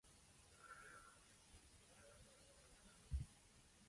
The constables on duty are prohibited from drinking coconut water.